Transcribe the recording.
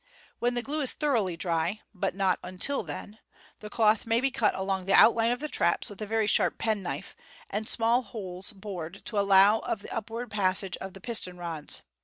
When the glue is thoroughly dry (but not until then) the cloth may be. cut along the outline of the traps with a very sharp penknife, and small holes bored to allow of the upward pas sage of the piston rods.